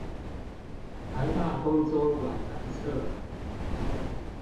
臺大工綜館南側